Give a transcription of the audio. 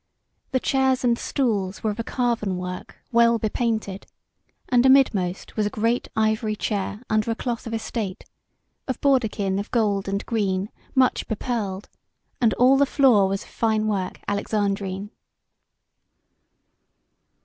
The chairs and stools were of carven work well be painted, and amidmost was a great ivory chair under a cloth of estate, of bawdekin of gold and green, much be pearled; and all the floor was of fine work alexandrine.